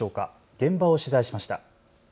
現場を取材しました。